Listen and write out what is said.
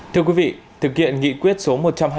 thưa quý vị thực hiện nghị quyết số